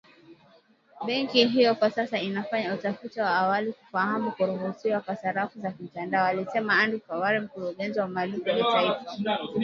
"Benki hiyo kwa sasa inafanya utafiti wa awali kufahamu kuruhusiwa kwa sarafu za kimtandao" alisema Andrew Kaware mkurugenzi wa malipo ya taifa